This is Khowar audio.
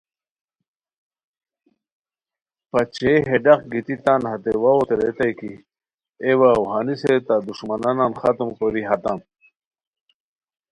پاچئے ہے ڈاق گیتی تان ہتے واؤتے ریتائے کی اے واؤ ہنیسے تہ دُݰمانانان ختم کوری ہاتام